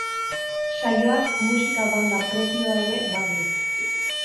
Saioak musika banda propioa ere badu.